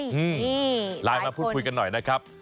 นี่ลายมาพูดคุยกันหน่อยนะครับ